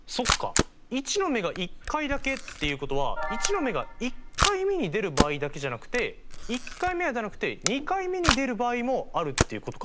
１の目が１回だけっていうことは１の目が１回目に出る場合だけじゃなくて１回目は出なくて２回目に出る場合もあるっていうことか。